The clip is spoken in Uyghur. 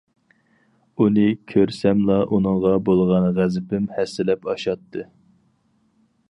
ئۇنى كۆرسەملا ئۇنىڭغا بولغان غەزىپىم ھەسسىلەپ ئاشاتتى.